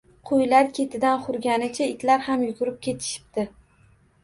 Qo’ylar ketidan hurganicha itlar ham yugurib ketishibdi